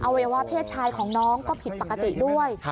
วัยวะเพศชายของน้องก็ผิดปกติด้วย